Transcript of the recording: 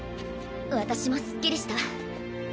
私もすっきりした。